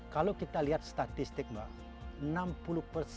kalau kita lihat statistik mbak